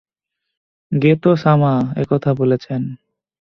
গেতো-সামা একথা বলেছেন।